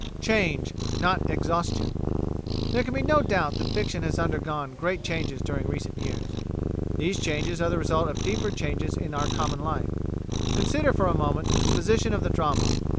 "Change" not "Exhaustion" There can be no doubt that fiction has undergone great changes during recent years. These changes are the result of deeper changes in our common life. Consider for a moment the position of the drama.